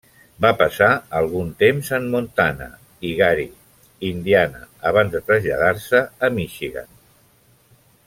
Va passar algun temps en Montana i Gary, Indiana, abans de traslladar-se a Michigan.